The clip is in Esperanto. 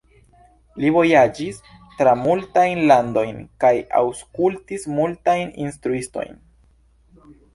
Li vojaĝis tra multajn landojn kaj aŭskultis multajn instruistojn.